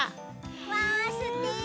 わすてき。